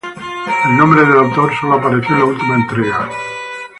El nombre del autor solo apareció en la última entrega.